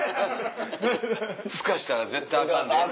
スカしたら絶対アカンで。